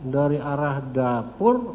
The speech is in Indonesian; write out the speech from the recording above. dari arah dapur